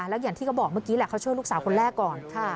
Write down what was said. แล้วอย่างที่เขาบอกเมื่อกี้แหละเขาช่วยลูกสาวคนแรกก่อน